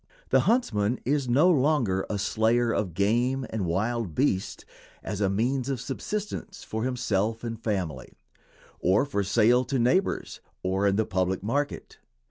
The huntsman is no longer a slayer of game and wild beasts as a means of subsistence for himself and family, or for sale to neighbors or in the public market.